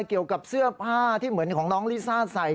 เกี่ยวกับเสื้อผ้าที่เหมือนของน้องลิซ่าใส่